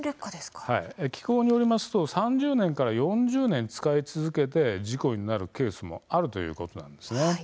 機構によりますと３０年から４０年使い続けて事故になるケースもあるということなんです。